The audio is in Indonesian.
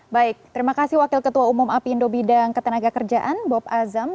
baik terima kasih wakil ketua umum api indo bidang ketenagakerjaan bob azmi